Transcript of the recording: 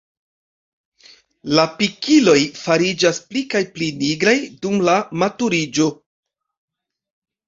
La pikiloj fariĝas pli kaj pli nigraj dum la maturiĝo.